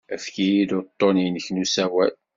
Efk-iyi-d uḍḍun-nnek n usawal.